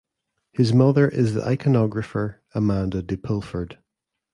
His mother is the Iconographer Amanda de Pulford.